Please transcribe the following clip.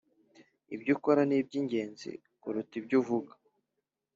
ibyo ukora nibyingenzi kuruta ibyo uvuga